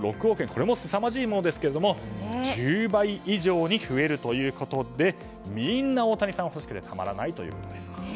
これもすさまじいものですが１０倍以上に増えるということでみんな大谷さんが欲しくてたまらないということですね。